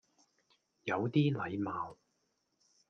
有啲禮貌